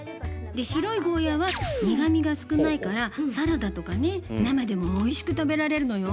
で白いゴーヤーは苦みが少ないからサラダとかね生でもおいしく食べられるのよ。